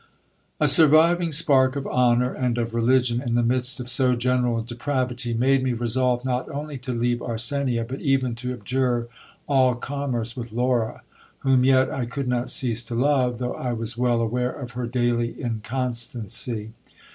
A surviving spark of honour and of religion, in the midst of so general de pravity, made me resolve not only to leave Arsenia, but even to abjure all com merce with Laura, whom yet I could not cease to love, though I was well aware of her daily inconstancy.